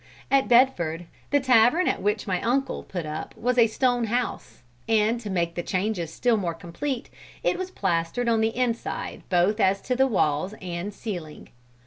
At Bedford, the tavern at which my uncle put up was a stone house, and to make the changes still more complete, it was plastered on the inside both as to the walls and ceiling.